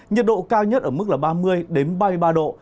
nhiệt độ cao nhất ở mức là ba mươi ba mươi ba độ